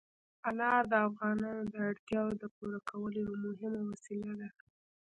انار د افغانانو د اړتیاوو د پوره کولو یوه مهمه وسیله ده.